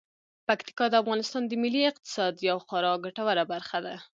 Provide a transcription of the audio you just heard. پکتیکا د افغانستان د ملي اقتصاد یوه خورا ګټوره برخه ده.